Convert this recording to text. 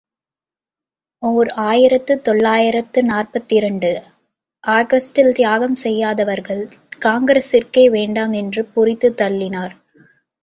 ஓர் ஆயிரத்து தொள்ளாயிரத்து நாற்பத்திரண்டு ஆகஸ்டில் தியாகம் செய்யாதவர்கள் காங்கிரசிற்கே வேண்டாம் என்று பொரிந்து தள்ளினார்.